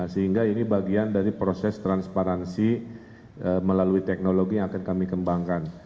sehingga ini bagian dari proses transparansi melalui teknologi yang akan kami kembangkan